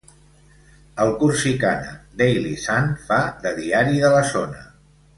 El Corsicana Daily Sun fa de diari de la zona.